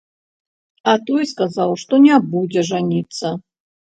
А той сказаў, што не, будзе жаніцца.